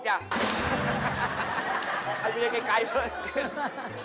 ไม่ต้องไปเรียนไกลเพื่อน